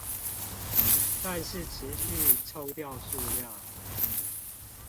但是持續抽掉數量